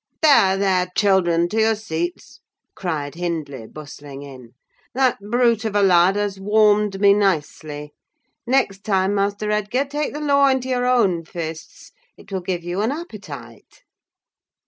_" "There, there, children—to your seats!" cried Hindley, bustling in. "That brute of a lad has warmed me nicely. Next time, Master Edgar, take the law into your own fists—it will give you an appetite!"